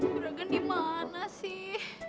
juragan dimana sih